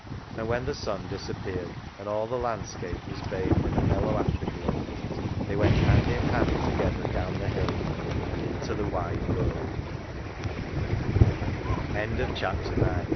And when the sun disappeared, and all the landscape was bathed in a mellow after glow, they went hand in hand together down the hill and into the wide